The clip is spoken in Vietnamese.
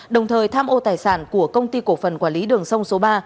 đồng thời tham ô tài sản của công ty cổ phần quản lý đường sông số ba